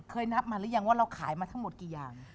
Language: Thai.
นับมาหรือยังว่าเราขายมาทั้งหมดกี่อย่าง